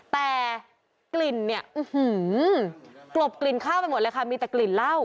แต่กลิ่นเนี่ยกลบกลิ่นข้าวไปหมดเลยค่ะมีแต่กลิ่นเหล้า